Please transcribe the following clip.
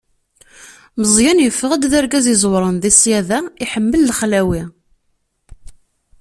Meẓyan yeffeɣ-d d argaz iẓewren di ṣṣyada, iḥemmel lexlawi.